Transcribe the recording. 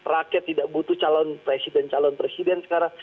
rakyat tidak butuh calon presiden calon presiden sekarang